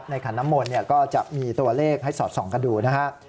ขันน้ำมนต์ก็จะมีตัวเลขให้สอดส่องกันดูนะฮะ